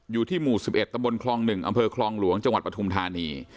อยู่ที่หมู่สิบเอ็ดตะบลคลองหนึ่งอำเภอคลองหลวงจังหวัดปฐุมธานี